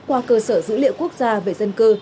qua cơ sở dữ liệu quốc gia về dân cư